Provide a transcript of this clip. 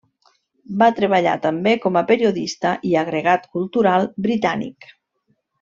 Va treballar també com a periodista i agregat cultural britànic.